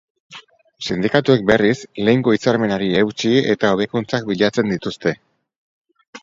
Sindikatuek berriz, lehengo hitzarmenari eutsi eta hobekuntzak bilatzen dituzte.